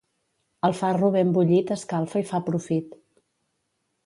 El farro ben bullit escalfa i fa profit.